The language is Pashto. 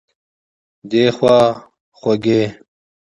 دخوا خوګۍ